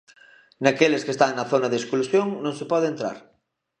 Naqueles que están na zona de exclusión non se pode entrar.